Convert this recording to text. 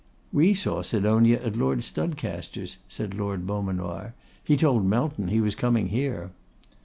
'We saw Sidonia at Lord Studcaster's,' said Lord Beaumanoir. 'He told Melton he was coming here.